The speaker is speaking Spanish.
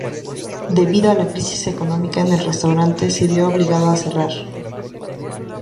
Debido a la crisis económica, el restaurante se vio obligado a cerrar.